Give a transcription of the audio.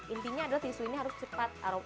intinya adalah tisu ini harus cepat